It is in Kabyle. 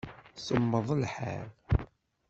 Semmeḍ lḥal.